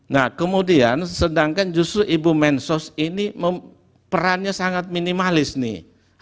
nah kemudian sedangkan justru ibu mensos ini perannya sangat minimalis nih